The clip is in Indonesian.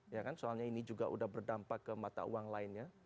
ya kan soalnya ini juga sudah berdampak ke mata uang lainnya